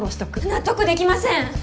納得できません！